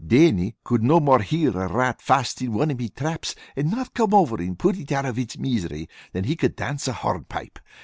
"Dannie could no more hear a rat fast in one of me traps and not come over and put it out of its misery, than he could dance a hornpipe.